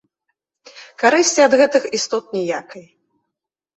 Карысці ад гэтых істот ніякай.